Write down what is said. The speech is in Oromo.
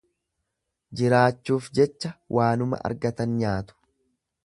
Jiraachuuf jecha waanuma argatan nyaatu.